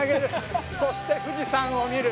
そして富士山を見る。